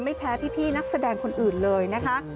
ไม่แพ้พี่นักแสดงคนอื่นเลยนะคะ